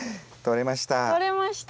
とれました。